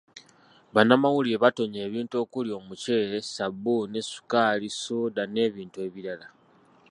Bannamawulire batonye ebintu okuli; Omuceere, Ssabbuuni, ssukaali, ssooda n'ebintu ebirala.